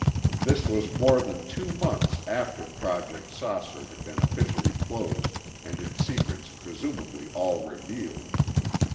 This was more than two months after Project "Saucer" had been officially closed and its secrets presumably all revealed.